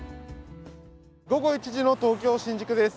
午後１時の東京・新宿です。